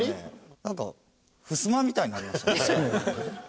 なんかふすまみたいになりましたね。